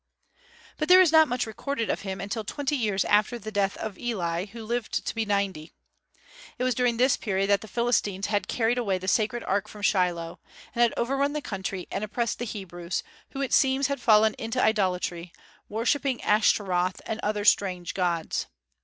But there is not much recorded of him until twenty years after the death of Eli, who lived to be ninety. It was during this period that the Philistines had carried away the sacred ark from Shiloh, and had overrun the country and oppressed the Hebrews, who it seems had fallen into idolatry, worshipping Ashtaroth and other strange gods.